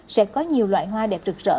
sẽ có nhiều loại hoa đẹp rực rỡ